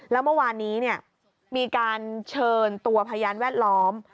แล้วเมื่อวานนี้มีการเชิญตัวพยานแวดล้อม